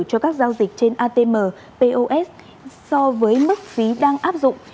cho các giao dịch trên atm pos so với mức phí đang áp dụng